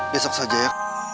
besok saja ya